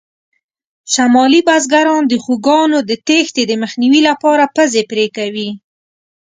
شمالي بزګران د خوکانو د تېښتې د مخنیوي لپاره پزې پرې کوي.